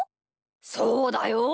そうだよ。